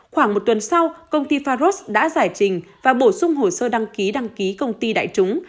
khoảng một tuần sau công ty faros đã giải trình và bổ sung hồ sơ đăng ký đăng ký công ty đại chúng